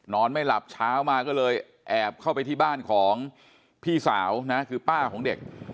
นอนไม่หลับเช้ามาก็เลยแอบเข้าไปที่บ้านของพี่สาวนะคือป้าของเด็ก